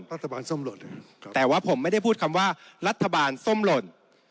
รัฐบาลส้มหล่นแต่ว่าผมไม่ได้พูดคำว่ารัฐบาลส้มหล่น